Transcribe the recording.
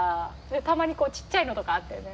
たまにこうちっちゃいのとかあってね。